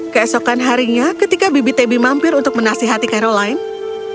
keesokan harinya ketika bibi tabby mampir untuk menasihati caroline